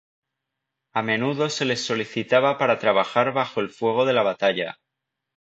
A menudo se les solicitaba para trabajar bajo el fuego de la batalla.